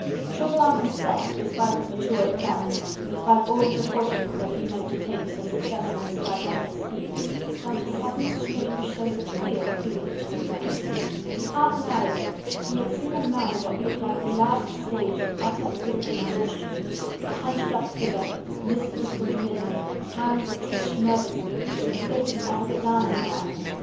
Chauvelin himself, despite his matured plans, despite all the precautions that he meant to take for the success of this gigantic scheme, felt a sudden strange sense of fear creeping into his bones. Half an hour ago he had seen a man in what looked like the last stage of utter physical exhaustion, a hunched up figure, listless and limp, hands that twitched nervously, the face as of a dying man.